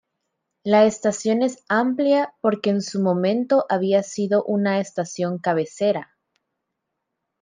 La estación es amplia porque en su momento había sido una estación cabecera.